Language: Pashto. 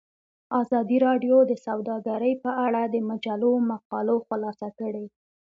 ازادي راډیو د سوداګري په اړه د مجلو مقالو خلاصه کړې.